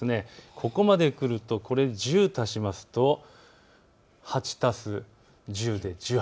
ここまでくると、１０足すと、８足す１０で１８。